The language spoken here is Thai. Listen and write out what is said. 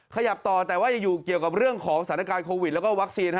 ขยับต่อแต่ว่ายังอยู่เกี่ยวกับเรื่องของสถานการณ์โควิดแล้วก็วัคซีน